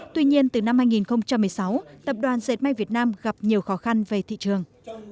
tuy nhiên từ năm hai nghìn một mươi sáu tập đoàn dệt may việt nam gặp nhiều khó khăn về thị trường